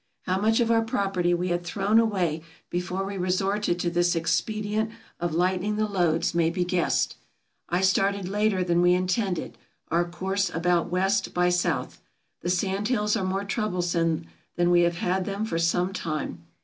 How much of our property we had thrown away before we resorted to this expedient of light ening the loads may be guessed. I started later than we intended, our course about west by south. The sand hills are more troublesome than we have had them for seme time.